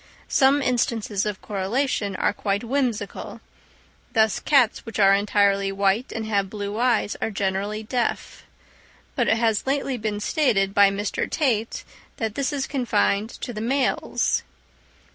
Some instances of correlation are quite whimsical; thus cats which are entirely white and have blue eyes are generally deaf; but it has been lately stated by Mr. Tait that this is confined to the males.